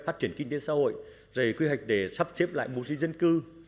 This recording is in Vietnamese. phát triển kinh tế xã hội quy hoạch để sắp xếp lại bộ trí dân cư